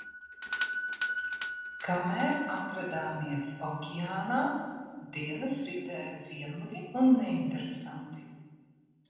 Kamēr atradāmies okeānā, dienas ritēja vienmuļi un neinteresanti.